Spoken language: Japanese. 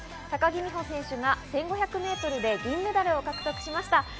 高木美帆選手が１５００メートルで銀メダルを獲得しました。